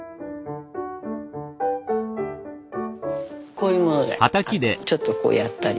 こういうものでちょっとこうやったり。